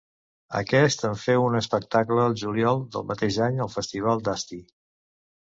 Aquest en feu un espectacle al juliol del mateix any al festival d'Asti.